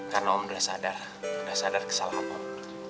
karena om udah sadar udah sadar kesalahan om